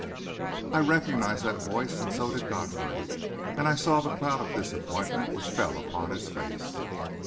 I recognised that voice, and so did Godfrey, and I saw the cloud of disappointment which fell upon his face.